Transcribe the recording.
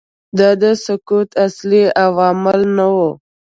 دا د سقوط اصلي عوامل نه وو